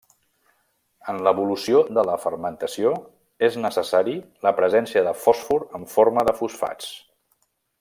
En l'evolució de la fermentació és necessari la presència de fòsfor en forma de fosfats.